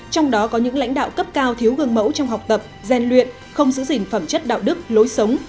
trong đó có những lãnh đạo cấp cao thiếu gương mẫu trong học tập gian luyện không giữ gìn phẩm chất đạo đức lối sống